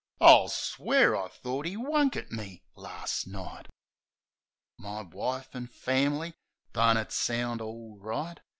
I'll swear I thort 'e wunk at me last night! My wife an' f am'ly ! Don't it sound all right